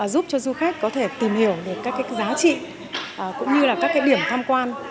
giúp cho du khách có thể tìm hiểu về các giá trị cũng như là các điểm tham quan